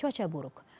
masalah cuaca buruk